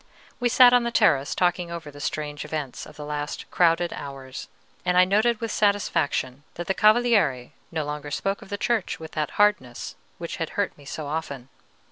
We sat on the terrace talking over the strange events of the last crowded hours, and I noted with satisfaction that the Cavaliere no longer spoke of the Church with that hardness, which had hurt me so often.